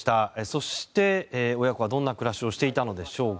そして、親子はどんな暮らしをしていたのでしょうか。